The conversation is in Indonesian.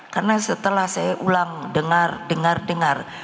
karena setelah saya ulang dengar dengar dengar